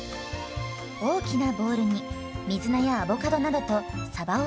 大きなボウルに水菜やアボカドなどとさばを入れたら。